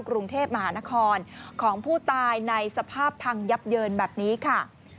กรุงเทพมหานครของผู้ตายในสภาพพังยับเยินแบบนี้ค่ะ